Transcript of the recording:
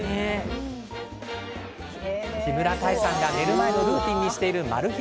木村多江さんが寝る前のルーティンにしているマル秘